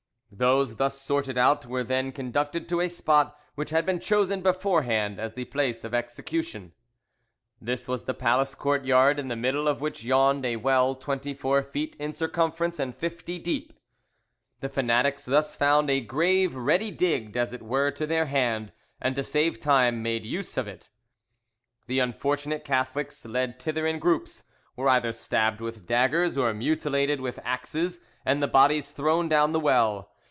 Those thus sorted out were then conducted to a spot which had been chosen beforehand as the place of execution. This was the palace courtyard in the middle of which yawned a well twenty four feet in circumference and fifty deep. The fanatics thus found a grave ready digged as it were to their hand, and to save time, made use of it. The unfortunate Catholics, led thither in groups, were either stabbed with daggers or mutilated with axes, and the bodies thrown down the well.